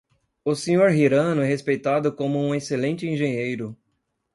O Sr. Hirano é respeitado como um excelente engenheiro.